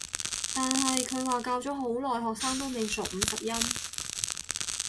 但係佢話教咗好耐學生都未熟五十音